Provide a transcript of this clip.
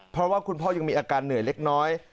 เพราะว่าคุณพ่อยังมีอาการเหนื่อยเล็กน้อย